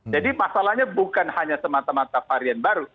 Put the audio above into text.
jadi masalahnya bukan hanya semata mata varian baru